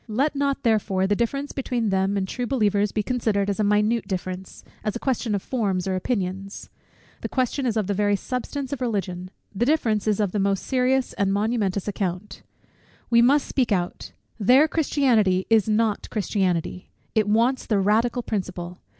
Let not therefore the difference between them and true believers be considered as a minute difference; as a question of forms or opinions. The question is of the very substance of Religion; the difference is of the most serious and momentous amount. We must speak out. Their Christianity is not Christianity. It wants the radical principle.